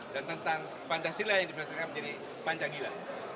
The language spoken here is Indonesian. dan tentang pancasila yang diperlaksakan menjadi panjanggila